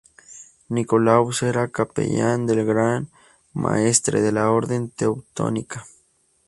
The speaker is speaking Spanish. Nikolaus era capellán del Gran Maestre de la Orden Teutónica.